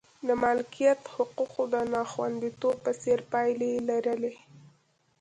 د مالکیت حقوقو د ناخوندیتوب په څېر پایلې یې لرلې.